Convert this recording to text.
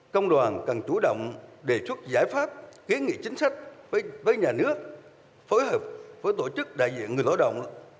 công đoàn cần chủ động đề xuất giải pháp kiến nghị chính sách với nhà nước phối hợp với tổ chức đại diện người lao động